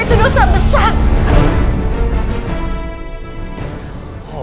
sampai saat ini kamu akan bisa memperbaiki dirimu